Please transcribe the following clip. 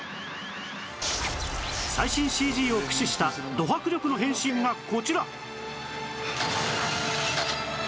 最新 ＣＧ を駆使したド迫力の変身がこちら！